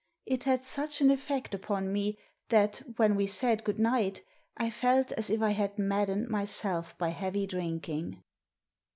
It had such an effect upon me that, when we said "good night," I felt as if I had maddened myself by heavy drinking.